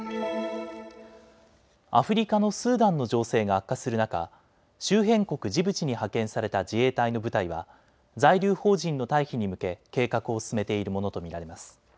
アフリカのスーダンの情勢が悪化する中、周辺国ジブチに派遣された自衛隊の部隊は在留邦人の退避に向け計画を進めているものと見られます。